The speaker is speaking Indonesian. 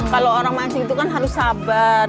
kalau orang mancing itu kan harus sabar